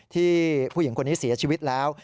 ผู้หญิงคนนี้เสียชีวิตแล้ว